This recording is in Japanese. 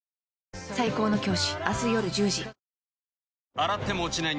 洗っても落ちない